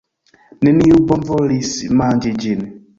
Neniu bonvolis manĝi ĝin.